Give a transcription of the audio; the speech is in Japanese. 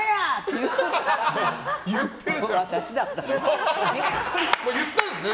言ったんですね